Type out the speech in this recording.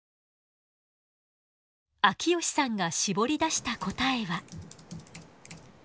秋吉さんが絞り出した答えは。